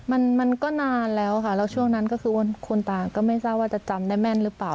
มันมันก็นานแล้วค่ะแล้วช่วงนั้นก็คือคนต่างก็ไม่ทราบว่าจะจำได้แม่นหรือเปล่า